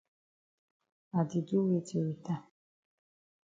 I di do weti wit am?